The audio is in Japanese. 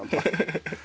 ハハハハ。